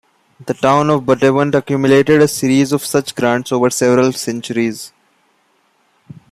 The town of Buttevant accumulated a series of such grants over several centuries.